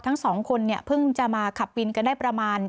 ทั้งสองคนเนี่ยเพิ่งจะมาขับวินกันได้ประมาณ